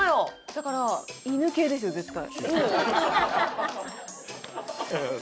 だから犬系ですよ絶対。